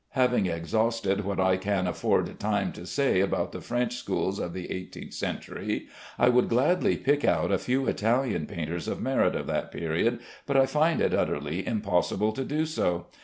Having exhausted what I can afford time to say about the French schools of the eighteenth century, I would gladly pick out a few Italian painters of merit of that period, but I find it utterly impossible to do so.